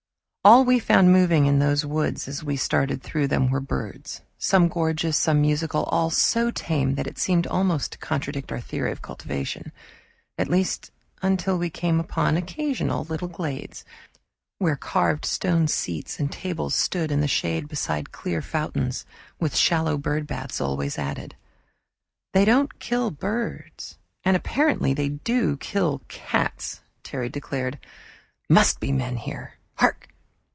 All we found moving in those woods, as we started through them, were birds, some gorgeous, some musical, all so tame that it seemed almost to contradict our theory of cultivation at least until we came upon occasional little glades, where carved stone seats and tables stood in the shade beside clear fountains, with shallow bird baths always added. "They don't kill birds, and apparently they do kill cats," Terry declared. "Must be men here. Hark!"